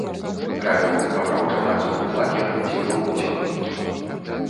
Трапіў у папраўча-працоўны лагер, дзе вёў дзённікі.